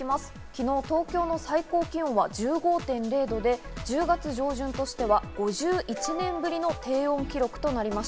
昨日、東京の最高気温は１５．０度で、１０月上旬としては５１年ぶりの低温記録となりま